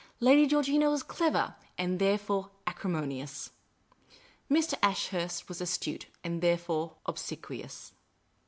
Lady Gcorgina was clever, and therefore acri monious. Mr. Ashurst was astute, and therefore obsequious.